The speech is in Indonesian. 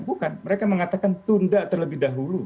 bukan mereka mengatakan tunda terlebih dahulu